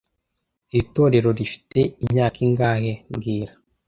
Iri torero rifite imyaka ingahe mbwira